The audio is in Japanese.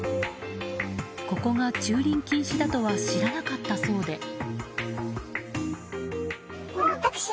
ここが駐輪禁止だとは知らなかったそうで。